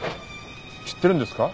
知ってるんですか？